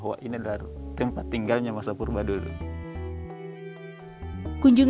nah ini adalah salah satu bekas dapurnya keong